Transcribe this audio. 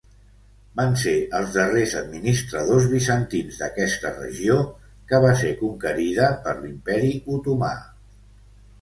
Van ser els darrers administradors bizantins d'aquesta regió, que va ser conquerida per l'Imperi Otomà.